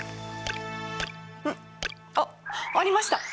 うんあっありました。